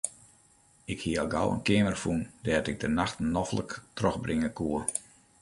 Ik hie al gau in keamer fûn dêr't ik de nachten noflik trochbringe koe.